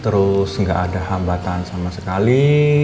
terus nggak ada hambatan sama sekali